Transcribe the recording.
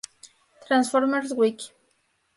Transformers Wiki